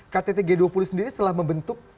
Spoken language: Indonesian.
ktt g dua puluh sendiri telah membentuk